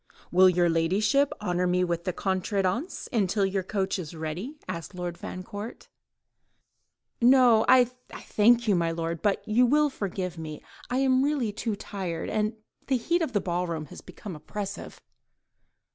"Will your ladyship honour me with the contredanse until your coach is ready?" asked Lord Fancourt. "No, I thank you, my lord, but—and you will forgive me—I really am too tired, and the heat in the ball room has become oppressive."